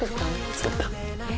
作った。